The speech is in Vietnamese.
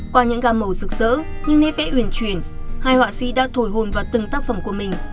qua những ga màu rực rỡ nhưng nét vẽ huyền chuyển hai họa sĩ đã thổi hồn vào từng tác phẩm của mình